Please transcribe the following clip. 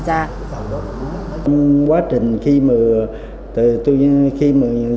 giang và lệ xin chúng làm với tàu từ ngày một mươi tám tháng hai